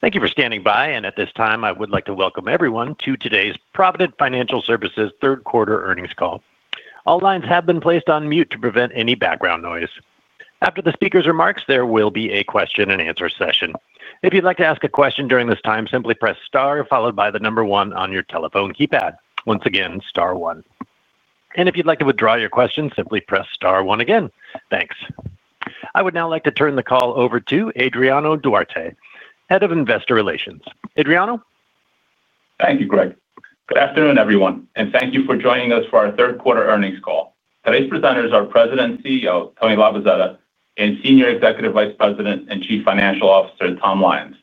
Thank you for standing by, and at this time, I would like to welcome everyone to today's Provident Financial Services third-quarter earnings call. All lines have been placed on mute to prevent any background noise. After the speaker's remarks, there will be a question-and-answer session. If you'd like to ask a question during this time, simply press star followed by the number one on your telephone keypad. Once again, star one. If you'd like to withdraw your question, simply press star one again. Thanks. I would now like to turn the call over to Adriano Duarte, Head of Investor Relations. Adriano? Thank you, Greg. Good afternoon, everyone, and thank you for joining us for our third-quarter earnings call. Today's presenters are President and CEO Tony Labozzetta and Senior Executive Vice President and Chief Financial Officer Tom Lyons.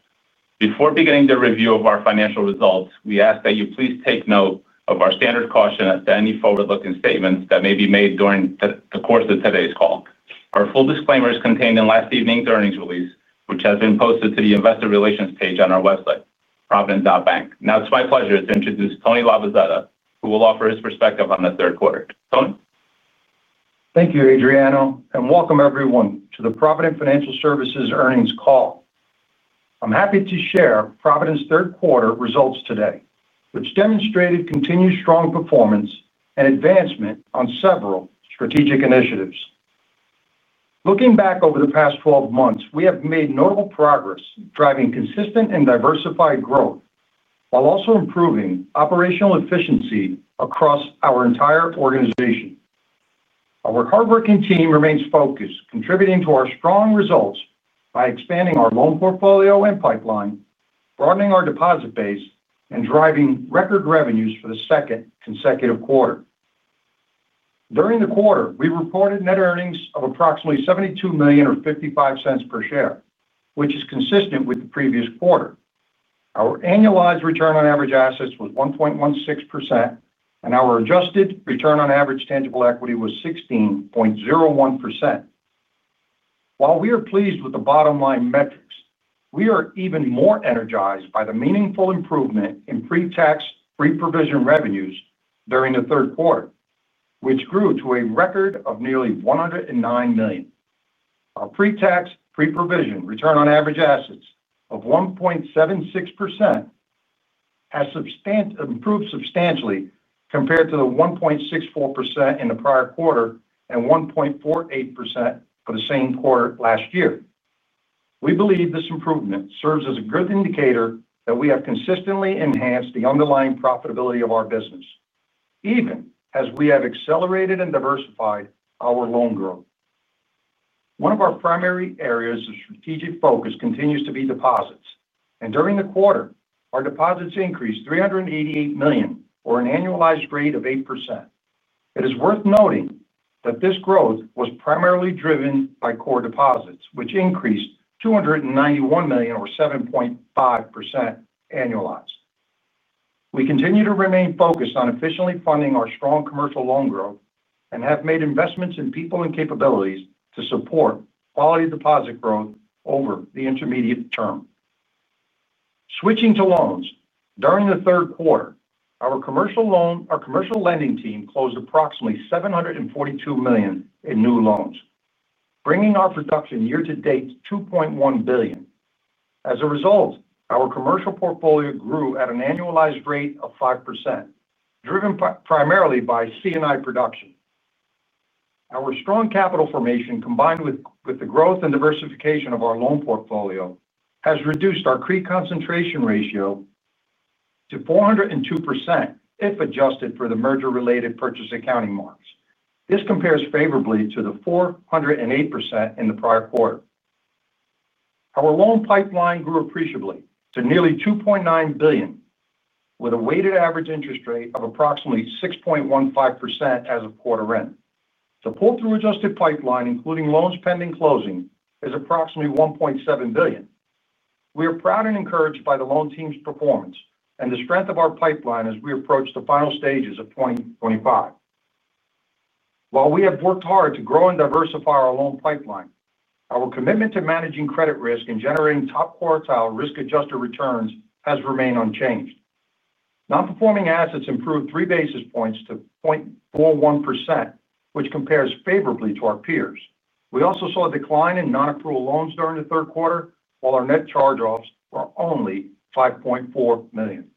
Before beginning the review of our financial results, we ask that you please take note of our standard caution as to any forward-looking statements that may be made during the course of today's call. Our full disclaimer is contained in last evening's earnings release, which has been posted to the investor relations page on our website, provident.bank. Now it's my pleasure to introduce Tony Labozzetta, who will offer his perspective on the third quarter. Tony? Thank you, Adriano, and welcome everyone to the Provident Financial Services earnings call. I'm happy to share Provident's third-quarter results today, which demonstrated continued strong performance and advancement on several strategic initiatives. Looking back over the past 12 months, we have made notable progress in driving consistent and diversified growth while also improving operational efficiency across our entire organization. Our hardworking team remains focused, contributing to our strong results by expanding our loan portfolio and pipeline, broadening our deposit base, and driving record revenues for the second consecutive quarter. During the quarter, we reported net earnings of approximately $0.7255 per share, which is consistent with the previous quarter. Our annualized return on average assets was 1.16%, and our adjusted return on average tangible equity was 16.01%. While we are pleased with the bottom-line metrics, we are even more energized by the meaningful improvement in pre-tax, pre-provision revenues during the third quarter, which grew to a record of nearly $109 million. Our pre-tax, pre-provision return on average assets of 1.76% has improved substantially compared to the 1.64% in the prior quarter and 1.48% for the same quarter last year. We believe this improvement serves as a good indicator that we have consistently enhanced the underlying profitability of our business, even as we have accelerated and diversified our loan growth. One of our primary areas of strategic focus continues to be deposits, and during the quarter, our deposits increased $388 million, or an annualized rate of 8%. It is worth noting that this growth was primarily driven by core deposits, which increased $291 million, or 7.5% annualized. We continue to remain focused on efficiently funding our strong commercial loan growth and have made investments in people and capabilities to support quality deposit growth over the intermediate term. Switching to loans, during the third quarter, our commercial lending team closed approximately $742 million in new loans, bringing our production year-to-date to $2.1 billion. As a result, our commercial portfolio grew at an annualized rate of 5%, driven primarily by C&I production. Our strong capital formation, combined with the growth and diversification of our loan portfolio, has reduced our CRE concentration ratio to 402% if adjusted for the merger-related purchase accounting marks. This compares favorably to the 408% in the prior quarter. Our loan pipeline grew appreciably to nearly $2.9 billion, with a weighted average interest rate of approximately 6.15% as of quarter end. The pull-through adjusted pipeline, including loans pending closing, is approximately $1.7 billion. We are proud and encouraged by the loan team's performance and the strength of our pipeline as we approach the final stages of 2025. While we have worked hard to grow and diversify our loan pipeline, our commitment to managing credit risk and generating top-quartile risk-adjusted returns has remained unchanged. Non-performing assets improved three basis points to 0.41%, which compares favorably to our peers. We also saw a decline in non-approved loans during the third quarter, while our net charge-offs were only $5.4 million.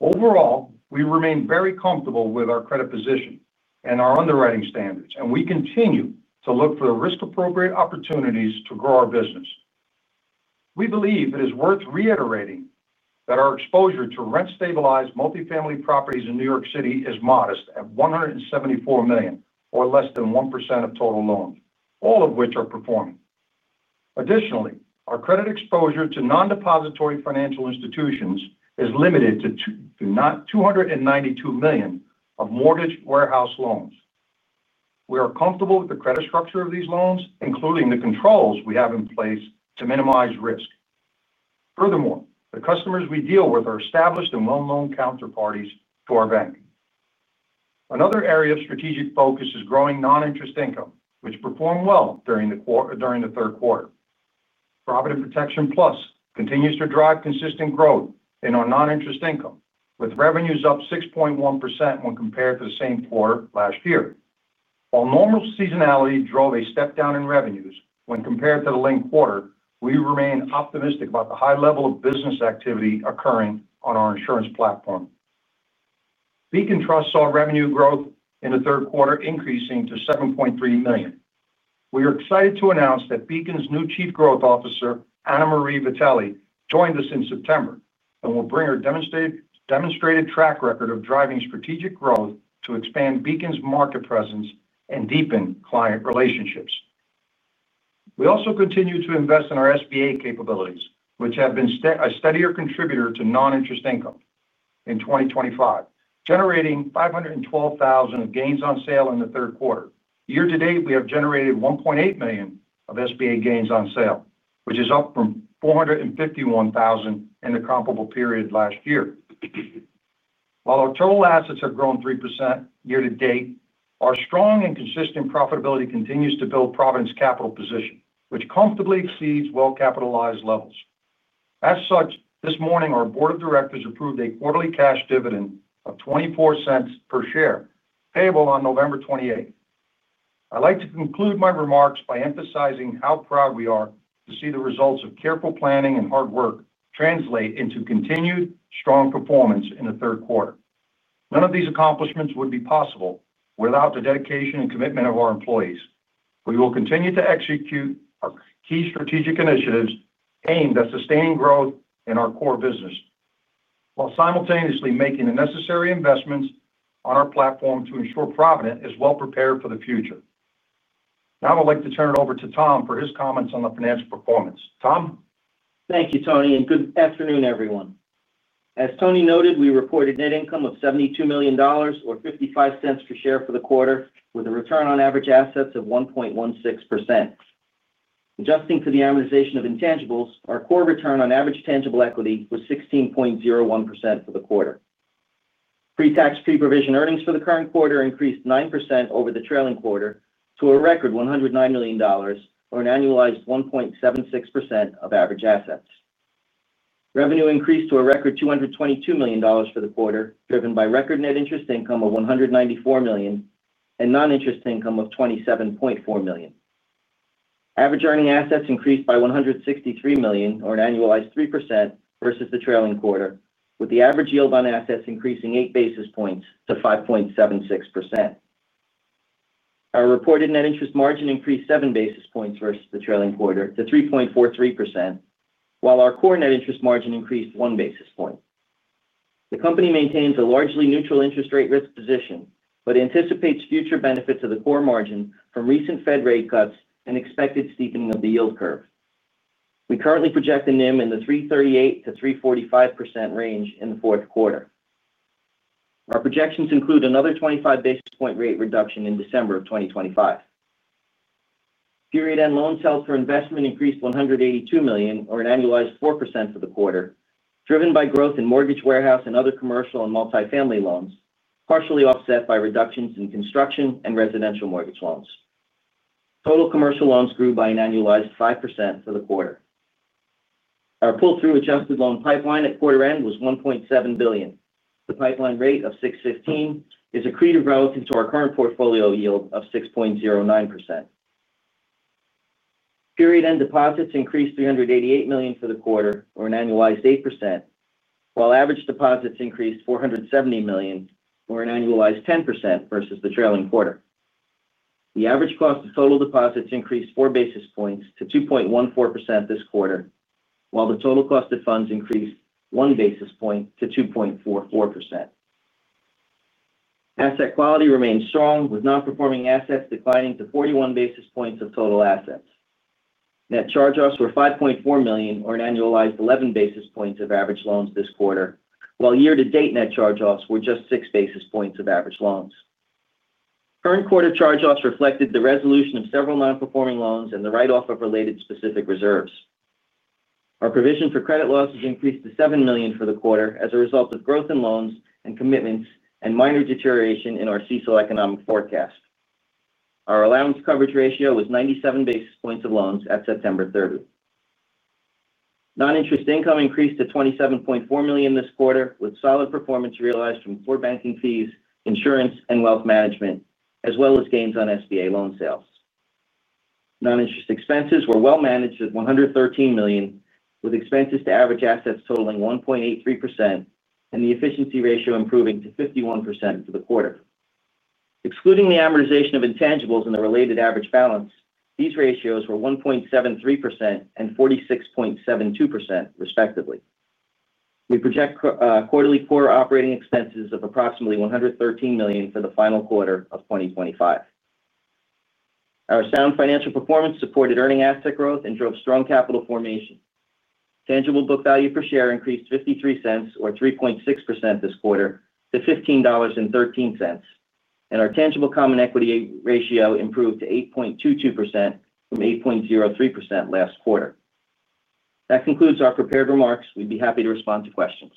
Overall, we remain very comfortable with our credit position and our underwriting standards, and we continue to look for the risk-appropriate opportunities to grow our business. We believe it is worth reiterating that our exposure to rent-stabilized multifamily properties in New York City is modest, at $174 million, or less than 1% of total loans, all of which are performing. Additionally, our credit exposure to non-depository financial institutions is limited to $292 million of mortgage warehouse loans. We are comfortable with the credit structure of these loans, including the controls we have in place to minimize risk. Furthermore, the customers we deal with are established and well-known counterparties to our bank. Another area of strategic focus is growing non-interest income, which performed well during the third quarter. Provident Protection Plus continues to drive consistent growth in our non-interest income, with revenues up 6.1% when compared to the same quarter last year. While normal seasonality drove a step down in revenues when compared to the late quarter, we remain optimistic about the high level of business activity occurring on our insurance platform. Beacon Trust saw revenue growth in the third quarter, increasing to $7.3 million. We are excited to announce that Beacon's new Chief Growth Officer, Annamaria Vitelli, joined us in September and will bring her demonstrated track record of driving strategic growth to expand Beacon's market presence and deepen client relationships. We also continue to invest in our SBA capabilities, which have been a steadier contributor to non-interest income in 2023, generating $512,000 of gains on sale in the third quarter. Year-to-date, we have generated $1.8 million of SBA gains on sale, which is up from $451,000 in the comparable period last year. While our total assets have grown 3% year-to-date, our strong and consistent profitability continues to build Provident's capital position, which comfortably exceeds well-capitalized levels. As such, this morning, our Board of Directors approved a quarterly cash dividend of $0.24 per share, payable on November 28. I'd like to conclude my remarks by emphasizing how proud we are to see the results of careful planning and hard work translate into continued strong performance in the third quarter. None of these accomplishments would be possible without the dedication and commitment of our employees. We will continue to execute our key strategic initiatives aimed at sustaining growth in our core business while simultaneously making the necessary investments on our platform to ensure Provident is well-prepared for the future. Now I'd like to turn it over to Tom for his comments on the financial performance. Tom? Thank you, Tony, and good afternoon, everyone. As Tony noted, we reported net income of $72 million, or $0.55 per share for the quarter, with a return on average assets of 1.16%. Adjusting for the amortization of intangibles, our core return on average tangible equity was 16.01% for the quarter. Pre-tax, pre-provision earnings for the current quarter increased 9% over the trailing quarter to a record $109 million, or an annualized 1.76% of average assets. Revenue increased to a record $222 million for the quarter, driven by record net interest income of $194 million and non-interest income of $27.4 million. Average earning assets increased by $163 million, or an annualized 3%, versus the trailing quarter, with the average yield on assets increasing 8 basis points to 5.76%. Our reported net interest margin increased 7 basis points versus the trailing quarter to 3.43%, while our core net interest margin increased 1 basis point. The company maintains a largely neutral interest rate risk position but anticipates future benefits of the core margin from recent Fed rate cuts and expected steepening of the yield curve. We currently project a NIM in the 3.38%-3.45% range in the fourth quarter. Our projections include another 25 basis point rate reduction in December of 2025. Period-end loan sales per investment increased $182 million, or an annualized 4% for the quarter, driven by growth in mortgage warehouse and other commercial and multifamily loans, partially offset by reductions in construction and residential mortgage loans. Total commercial loans grew by an annualized 5% for the quarter. Our pull-through adjusted loan pipeline at quarter end was $1.7 billion. The pipeline rate of 6.15% is accretive relative to our current portfolio yield of 6.09%. Period-end deposits increased $388 million for the quarter, or an annualized 8%, while average deposits increased $470 million, or an annualized 10%, versus the trailing quarter. The average cost of total deposits increased 4 basis points to 2.14% this quarter, while the total cost of funds increased 1 basis point to 2.44%. Asset quality remained strong, with non-performing assets declining to 41 basis points of total assets. Net charge-offs were $5.4 million, or an annualized 11 basis points of average loans this quarter, while year-to-date net charge-offs were just 6 basis points of average loans. Current quarter charge-offs reflected the resolution of several non-performing loans and the write-off of related specific reserves. Our provision for credit losses increased to $7 million for the quarter as a result of growth in loans and commitments and minor deterioration in our SECO economic forecast. Our allowance coverage ratio was 97 basis points of loans at September 30th. Non-interest income increased to $27.4 million this quarter, with solid performance realized from core banking fees, insurance, and wealth management, as well as gains on SBA loan sales. Non-interest expenses were well-managed at $113 million, with expenses to average assets totaling 1.83% and the efficiency ratio improving to 51% for the quarter. Excluding the amortization of intangibles and the related average balance, these ratios were 1.73% and 46.72%, respectively. We project quarterly core operating expenses of approximately $113 million for the final quarter of 2025. Our sound financial performance supported earning asset growth and drove strong capital formation. Tangible book value per share increased $0.53, or 3.6%, this quarter to $15.13, and our tangible common equity ratio improved to 8.22% from 8.03% last quarter. That concludes our prepared remarks. We'd be happy to respond to questions.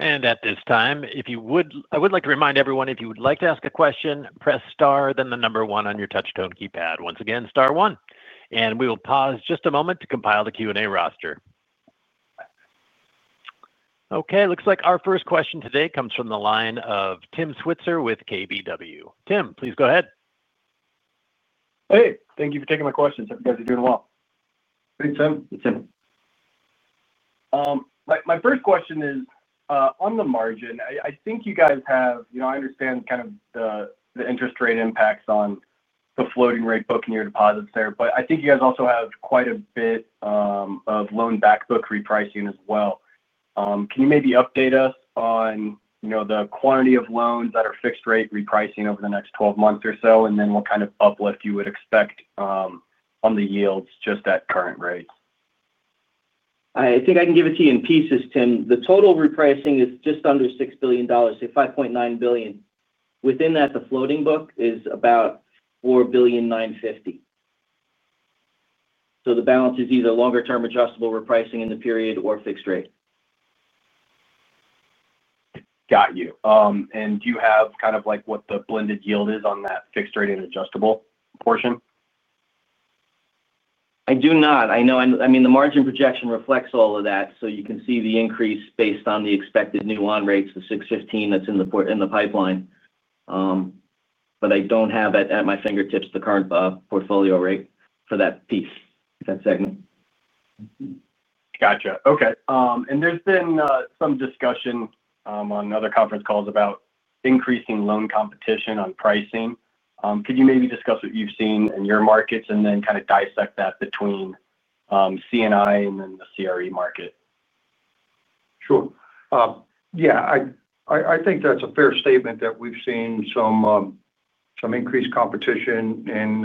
At this time, I would like to remind everyone, if you would like to ask a question, press star, then the number one on your touch-tone keypad. Once again, star one. We will pause just a moment to compile the Q&A roster. Okay. Looks like our first question today comes from the line of Tim Switzer with KBW. Tim, please go ahead. Hey, thank you for taking my questions. I hope you guys are doing well. Hey, Tim. Hi Tim. My first question is, on the margin, I think you guys have—I understand kind of the interest rate impacts on the floating rate book and your deposits there, but I think you guys also have quite a bit of loan backbook repricing as well. Can you maybe update us on the quantity of loans that are fixed-rate repricing over the next 12 months or so, and then what kind of uplift you would expect on the yields just at current rates? I think I can give it to you in pieces, Tim. The total repricing is just under $6 billion, say $5.9 billion. Within that, the floating book is about $4.95 billion. The balance is either longer-term adjustable repricing in the period or fixed rate. Got you. Do you have kind of what the blended yield is on that fixed rate and adjustable portion? I do not. I mean, the margin projection reflects all of that, so you can see the increase based on the expected new on rates of 6.15% that's in the pipeline. I don't have it at my fingertips, the current portfolio rate for that piece, that segment. Gotcha. Okay. There has been some discussion on other conference calls about increasing loan competition on pricing. Could you maybe discuss what you've seen in your markets and then kind of dissect that between commercial and industrial loans and then the commercial real estate market? Sure. Yeah. I think that's a fair statement that we've seen some increased competition in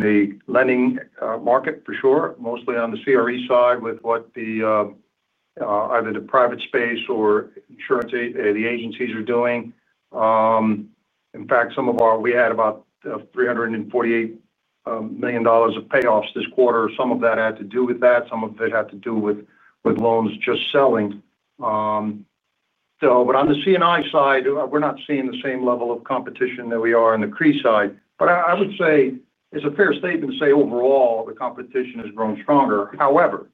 the lending market, for sure, mostly on the CRE side with what either the private space or insurance agencies are doing. In fact, we had about $348 million of payoffs this quarter. Some of that had to do with that. Some of it had to do with loans just selling. On the commercial and industrial loan side, we're not seeing the same level of competition that we are on the CRE side. I would say it's a fair statement to say overall, the competition has grown stronger. However,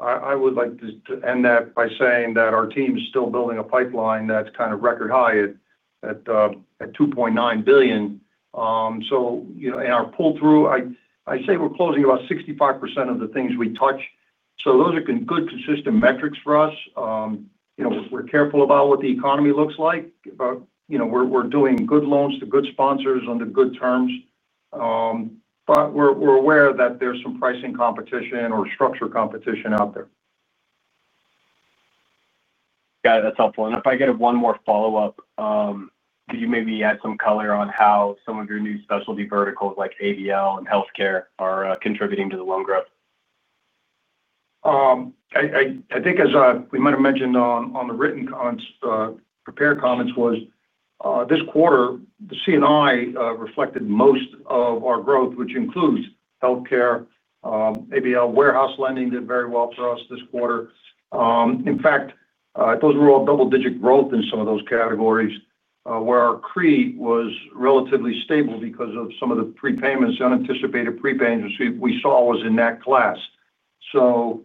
I would like to end that by saying that our team is still building a pipeline that's kind of record high at $2.9 billion. In our pull-through, I'd say we're closing about 65% of the things we touch. Those are good, consistent metrics for us. We're careful about what the economy looks like. We're doing good loans to good sponsors under good terms. We're aware that there's some pricing competition or structure competition out there. Got it. That's helpful. If I could have one more follow-up, could you maybe add some color on how some of your new specialty verticals like asset-based lending and healthcare are contributing to the loan growth? I think, as we might have mentioned on the written prepared comments, this quarter, the C&I reflected most of our growth, which includes healthcare. ABL warehouse lending did very well for us this quarter. In fact, those were all double-digit growth in some of those categories, where our CRE was relatively stable because of some of the prepayments, unanticipated prepayments we saw in that class. Those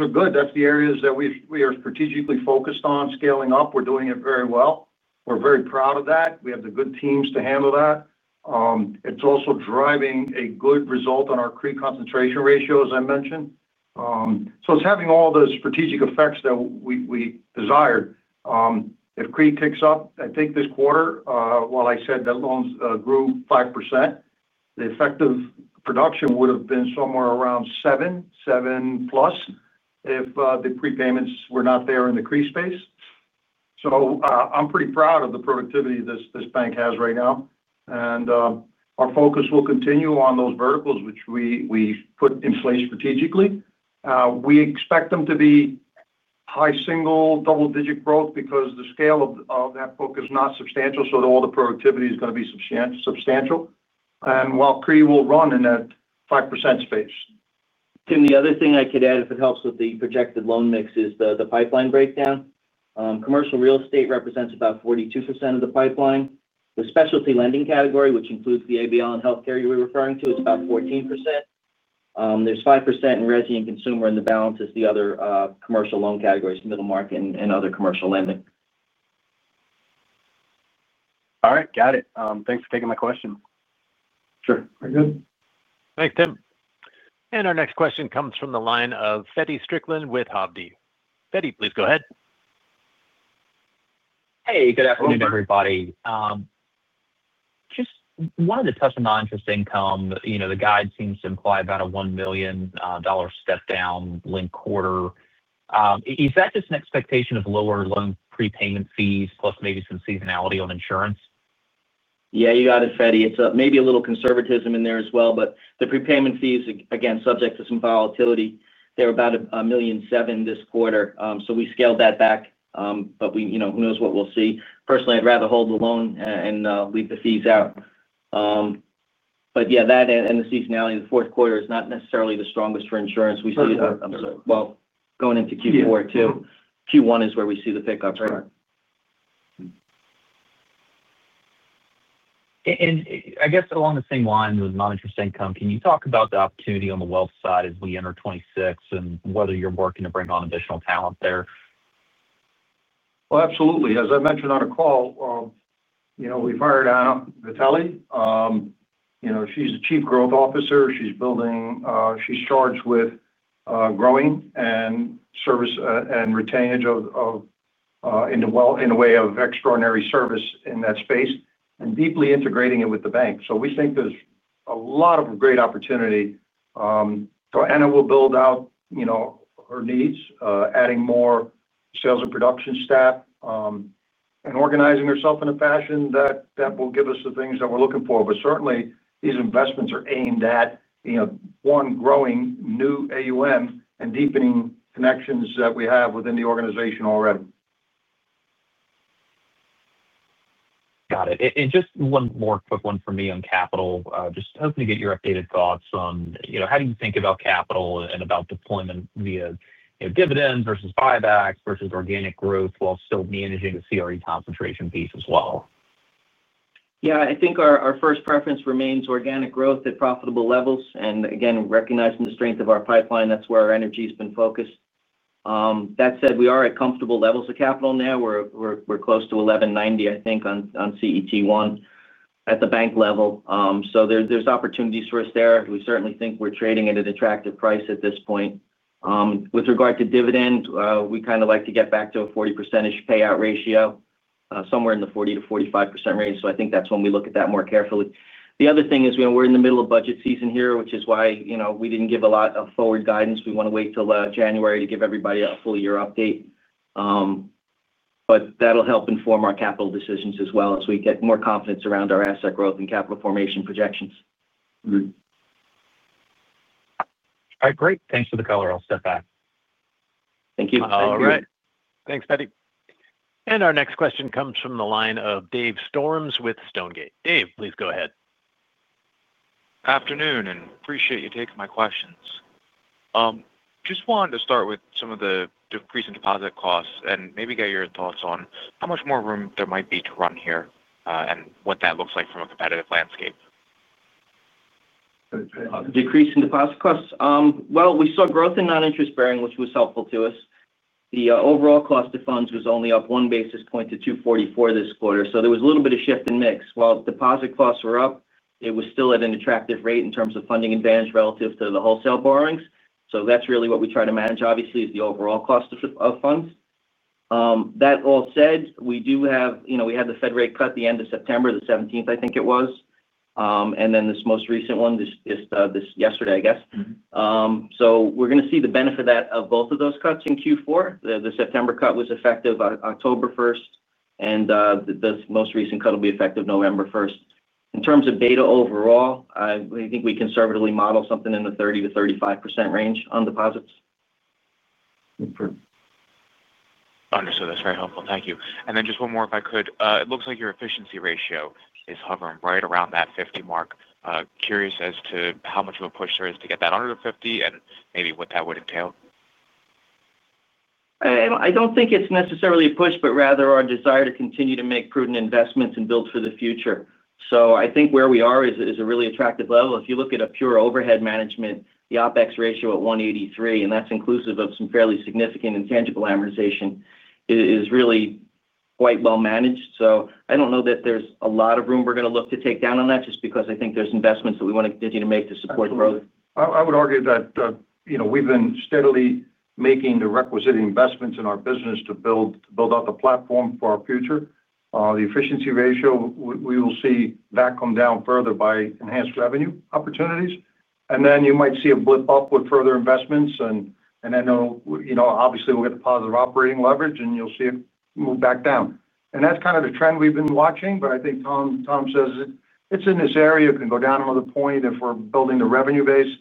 are good. That's the areas that we are strategically focused on scaling up. We're doing it very well. We're very proud of that. We have the good teams to handle that. It's also driving a good result on our CRE concentration ratio, as I mentioned. It's having all the strategic effects that we desired. If CRE picks up, I think this quarter, while I said that loans grew 5%, the effective production would have been somewhere around 7%, 7%+ if the prepayments were not there in the CRE space. I'm pretty proud of the productivity this bank has right now. Our focus will continue on those verticals, which we put in place strategically. We expect them to be high single, double-digit growth because the scale of that book is not substantial, so all the productivity is going to be substantial. While CRE will run in that 5% space. Tim, the other thing I could add, if it helps with the projected loan mix, is the pipeline breakdown. Commercial real estate represents about 42% of the pipeline. The specialty lending category, which includes the asset-based lending and healthcare you were referring to, is about 14%. There's 5% in resident and consumer in the balance as the other commercial loan categories, middle market and other commercial lending. All right. Got it. Thanks for taking my question. Sure, we're good. Thanks, Tim. Our next question comes from the line of Feddie Strickland with Hovde. Feddie, please go ahead. Hey, good afternoon, everybody. Just wanted to touch on non-interest income. The guide seems to imply about a $1 million step-down link quarter. Is that just an expectation of lower loan prepayment fees plus maybe some seasonality on insurance? Yeah, you got it, Feddie. It's maybe a little conservatism in there as well. The prepayment fees, again, subject to some volatility, were about $1.7 million this quarter. We scaled that back, but who knows what we'll see. Personally, I'd rather hold the loan and leave the fees out. That and the seasonality in the fourth quarter is not necessarily the strongest for insurance. We see it going into Q4 too. Q1 is where we see the pickup. I guess along the same lines with non-interest income, can you talk about the opportunity on the wealth side as we enter 2026 and whether you're working to bring on additional talent there? As I mentioned on a call, we've hired Anna Vitelli. She's the Chief Growth Officer. She's charged with growing and service and retainage of, in a way of extraordinary service in that space and deeply integrating it with the bank. We think there's a lot of great opportunity. Anna will build out her needs, adding more sales and production staff and organizing herself in a fashion that will give us the things that we're looking for. Certainly, these investments are aimed at, one, growing new AUM and deepening connections that we have within the organization already. Got it. Just one more quick one from me on capital. Hoping to get your updated thoughts on how you think about capital and about deployment via dividends versus buybacks versus organic growth while still managing the CRE concentration piece as well? Yeah. I think our first preference remains organic growth at profitable levels. Again, recognizing the strength of our pipeline, that's where our energy has been focused. That said, we are at comfortable levels of capital now. We're close to 11.90% on CET1 at the bank level. There's opportunities for us there. We certainly think we're trading at an attractive price at this point. With regard to dividends, we kind of like to get back to a 40%-ish payout ratio, somewhere in the 40%-45% range. I think that's when we look at that more carefully. The other thing is we're in the middle of budget season here, which is why we didn't give a lot of forward guidance. We want to wait till January to give everybody a full year update. That'll help inform our capital decisions as well as we get more confidence around our asset growth and capital formation projections. All right. Great, thanks for the color. I'll step back. Thank you. Thanks, Feddie. Our next question comes from the line of Dave Storms with StoneGate. Dave, please go ahead. Good afternoon, and appreciate you taking my questions. Just wanted to start with some of the decrease in deposit costs and maybe get your thoughts on how much more room there might be to run here and what that looks like from a competitive landscape. Decrease in deposit costs? We saw growth in non-interest bearing, which was helpful to us. The overall cost of funds was only up one basis point to 2.44% this quarter. There was a little bit of shift in mix. While deposit costs were up, it was still at an attractive rate in terms of funding advantage relative to the wholesale borrowings. That's really what we try to manage, obviously, is the overall cost of funds. That all said, we had the Fed rate cut at the end of September, the 17th, I think it was. This most recent one, just yesterday, I guess. We're going to see the benefit of both of those cuts in Q4. The September cut was effective October 1st, and the most recent cut will be effective November 1st. In terms of data overall, I think we conservatively model something in the 30%-5% range on deposits. Understood. That's very helpful. Thank you. Just one more, if I could. It looks like your efficiency ratio is hovering right around that 50% mark. Curious as to how much of a push there is to get that under the 50% and maybe what that would entail. I don't think it's necessarily a push, but rather our desire to continue to make prudent investments and build for the future. I think where we are is a really attractive level. If you look at a pure overhead management, the OpEx ratio at 1.83, and that's inclusive of some fairly significant intangible amortization, is really quite well managed. I don't know that there's a lot of room we're going to look to take down on that, just because I think there's investments that we want to continue to make to support growth. I would argue that we've been steadily making the requisite investments in our business to build out the platform for our future. The efficiency ratio, we will see that come down further by enhanced revenue opportunities. You might see a blip up with further investments. Obviously, we'll get the positive operating leverage, and you'll see it move back down. That's kind of the trend we've been watching. I think Tom says it's in this area. It can go down another point if we're building the revenue base.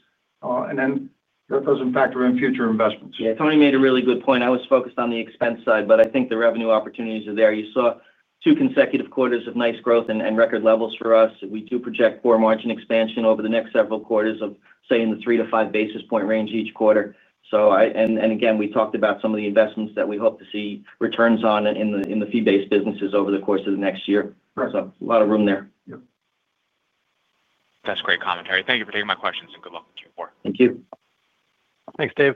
That doesn't factor in future investments. Yeah. Tony made a really good point. I was focused on the expense side, but I think the revenue opportunities are there. You saw two consecutive quarters of nice growth and record levels for us. We do project core margin expansion over the next several quarters of, say, in the 3 basis point-5 basis point range each quarter. We talked about some of the investments that we hope to see returns on in the fee-based businesses over the course of the next year. A lot of room there. That's great commentary. Thank you for taking my questions, and good luck with Q4. Thank you. Thanks, Dave.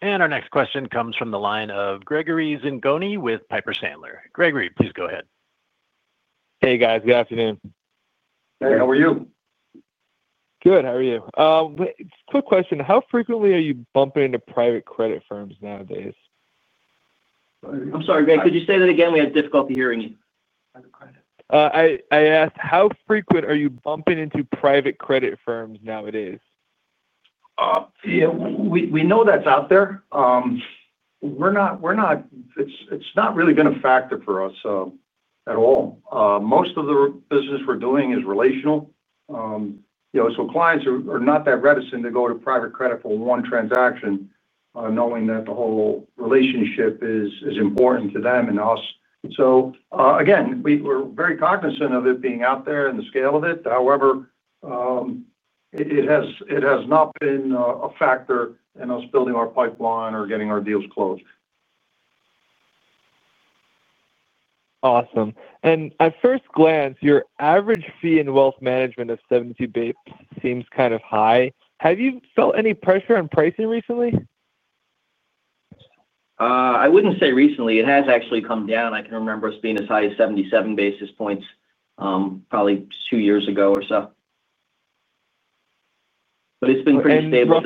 Our next question comes from the line of Gregory Zingoni with Piper Sandler. Gregory, please go ahead. Hey, guys. Good afternoon. Hey, how are you? Good. How are you? Quick question. How frequently are you bumping into private credit firms nowadays? I'm sorry, Greg. Could you say that again? We had difficulty hearing you. I asked, how frequent are you bumping into private credit firms nowadays? Yeah. We know that's out there. It's not really been a factor for us at all. Most of the business we're doing is relational. Clients are not that reticent to go to private credit for one transaction, knowing that the whole relationship is important to them and us. We are very cognizant of it being out there and the scale of it. However, it has not been a factor in us building our pipeline or getting our deals closed. Awesome. At first glance, your average fee in wealth management of 72 bps seems kind of high. Have you felt any pressure on pricing recently? I wouldn't say recently. It has actually come down. I can remember us being as high as 77 basis points probably two years ago or so, but it's been pretty stable.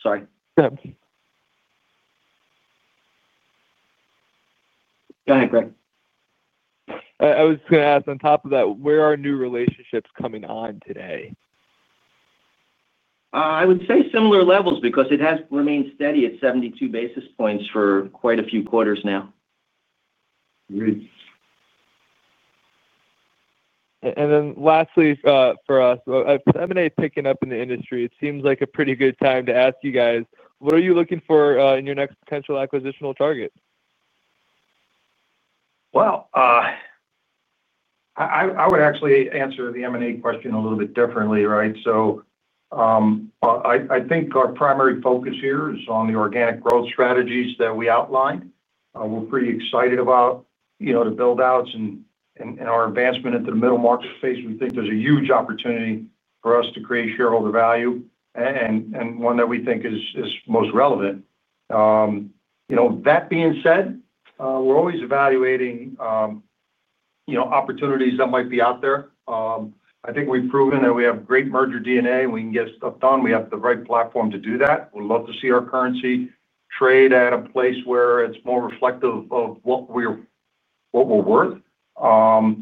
Sorry. Go ahead. Go ahead, Greg. I was just going to ask on top of that, where are new relationships coming on today? I would say similar levels because it has remained steady at 0.72% for quite a few quarters now. Lastly, for us, M&A picking up in the industry, it seems like a pretty good time to ask you guys, what are you looking for in your next potential acquisitional target? I would actually answer the M&A question a little bit differently, right? I think our primary focus here is on the organic growth strategies that we outlined. We're pretty excited about the buildouts and our advancement into the middle market space. We think there's a huge opportunity for us to create shareholder value and one that we think is most relevant. That being said, we're always evaluating opportunities that might be out there. I think we've proven that we have great merger DNA, and we can get stuff done. We have the right platform to do that. We'd love to see our currency trade at a place where it's more reflective of what we're worth. We'll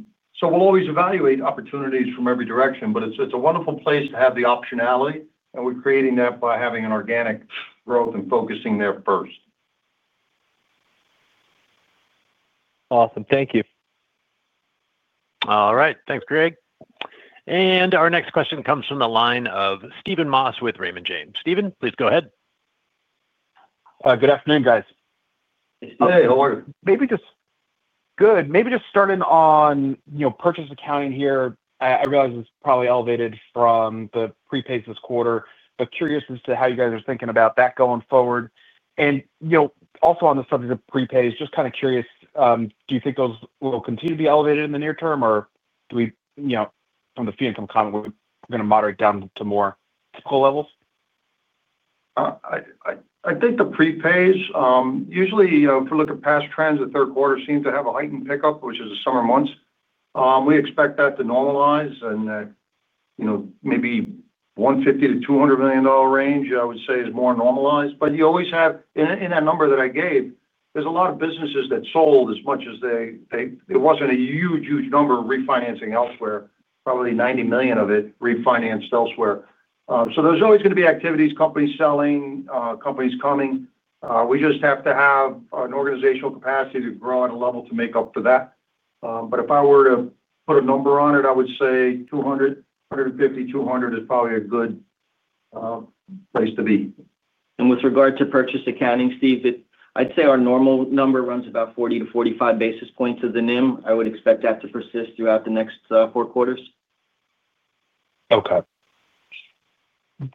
always evaluate opportunities from every direction, but it's a wonderful place to have the optionality, and we're creating that by having an organic growth and focusing there first. Awesome. Thank you. All right. Thanks, Greg. Our next question comes from the line of Steven Moss with Raymond James. Stephen, please go ahead. Good afternoon, guys. Hey, how are you? Maybe just starting on purchase accounting here. I realize it's probably elevated from the prepays this quarter, but curious as to how you guys are thinking about that going forward. Also, on the subject of prepays, just kind of curious, do you think those will continue to be elevated in the near term, or do we, from the fee income comment, think we're going to moderate down to more typical levels? I think the prepays, usually, if we look at past trends, the third quarter seems to have a heightened pickup, which is the summer months. We expect that to normalize. Maybe $150 million-$200 million range, I would say, is more normalized. You always have in that number that I gave, there's a lot of businesses that sold as much as they—it wasn't a huge, huge number of refinancing elsewhere, probably $90 million of it refinanced elsewhere. There's always going to be activities, companies selling, companies coming. We just have to have an organizational capacity to grow at a level to make up for that. If I were to put a number on it, I would say $200 million, $150 million, $200 million is probably a good place to be. With regard to purchase accounting, Steve, I'd say our normal number runs about 40 basis points-45 basis points of the NIM. I would expect that to persist throughout the next four quarters.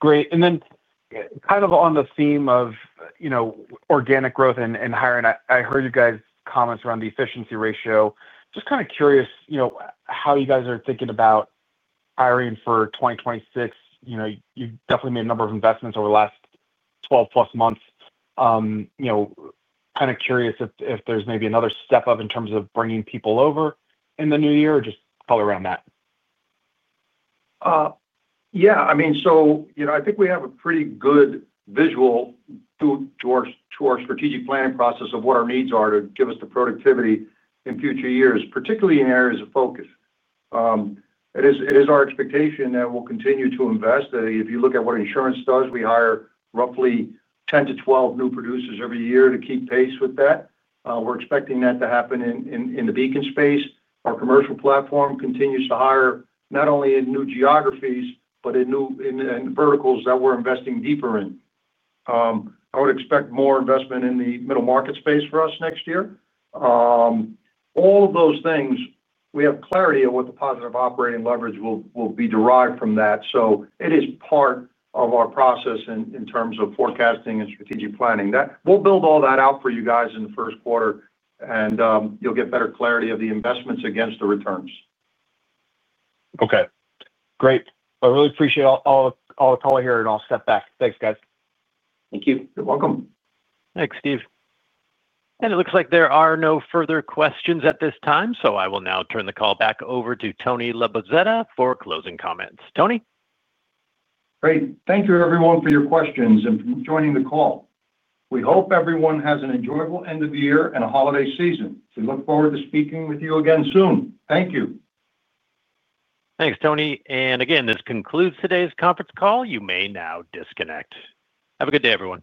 Great. On the theme of organic growth and hiring, I heard you guys' comments around the efficiency ratio. Just curious how you guys are thinking about hiring for 2026. You definitely made a number of investments over the last 12+ months. Curious if there's maybe another step up in terms of bringing people over in the new year or just probably around that. Yeah. I mean, I think we have a pretty good visual to our strategic planning process of what our needs are to give us the productivity in future years, particularly in areas of focus. It is our expectation that we'll continue to invest. If you look at what insurance does, we hire roughly 10-12 new producers every year to keep pace with that. We're expecting that to happen in the Beacon space. Our commercial platform continues to hire not only in new geographies, but in verticals that we're investing deeper in. I would expect more investment in the middle market space for us next year. All of those things, we have clarity of what the positive operating leverage will be derived from that. It is part of our process in terms of forecasting and strategic planning. We'll build all that out for you guys in the first quarter, and you'll get better clarity of the investments against the returns. Okay, great. I really appreciate all the call here, and I'll step back. Thanks, guys. Thank you. You're welcome. Thanks, Steve. It looks like there are no further questions at this time, so I will now turn the call back over to Tony Labozzetta for closing comments. Tony? Great. Thank you, everyone, for your questions and for joining the call. We hope everyone has an enjoyable end of the year and a holiday season. We look forward to speaking with you again soon. Thank you. Thanks, Tony. This concludes today's conference call. You may now disconnect. Have a good day, everyone.